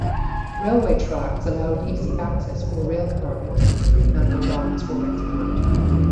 Railway tracks allowed easy access for rail cartage to the Fremantle Docks for export.